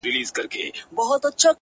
• بس په پزه به پېزوان وړي په پېغور کي ,